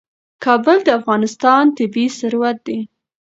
کابل د افغانستان طبعي ثروت دی.